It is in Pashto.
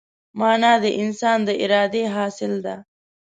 مانا د انسان د ارادې حاصل ده.